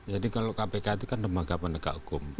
jadi kalau kpk itu kan lembaga penegak hukum